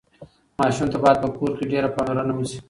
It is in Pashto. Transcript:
ماشوم ته باید په کور کې ډېره پاملرنه وشي.